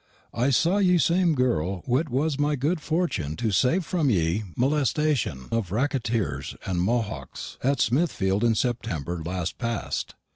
I saw ye same girl w'h it was my good fortun to saive from ye molestashun of raketters and mohoks at Smithfelde in September last past.